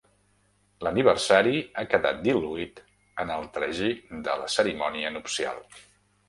L'aniversari ha quedat dil·luït en el tragí de la cerimònia nupcial.